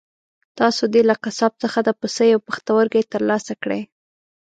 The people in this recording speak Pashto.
تاسو دې له قصاب څخه د پسه یو پښتورګی ترلاسه کړئ.